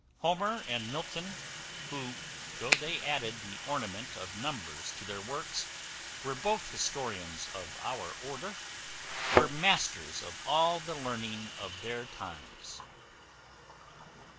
Homer and Milton, who, though they added the ornament of numbers to their works, were both historians of our order, were masters of all the learning of their times.